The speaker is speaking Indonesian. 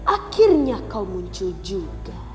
akhirnya kau muncul juga